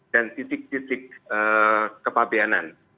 dan titik titik kepabeanan